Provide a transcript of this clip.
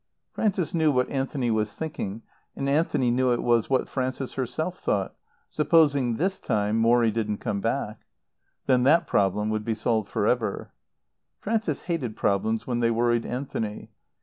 Frances knew what Anthony was thinking, and Anthony knew it was what Frances thought herself: Supposing this time Morrie didn't come back? Then that problem would be solved for ever. Frances hated problems when they worried Anthony.